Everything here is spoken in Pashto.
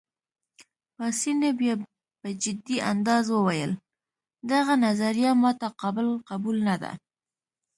پاسیني بیا په جدي انداز وویل: دغه نظریه ما ته قابل قبول نه ده.